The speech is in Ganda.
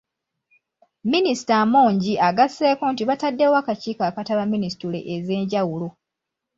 Minisita Amongi agasseeko nti bataddewo akakiiko akataba minisitule ez'enjawulo